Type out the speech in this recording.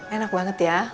enak banget ya